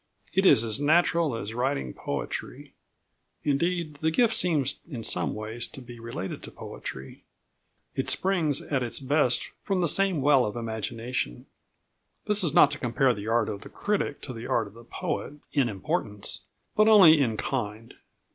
It is as natural as writing poetry. Indeed, the gift seems in some ways to be related to poetry. It springs at its best from the same well of imagination. This is not to compare the art of the critic to the art of the poet in importance, but only in kind.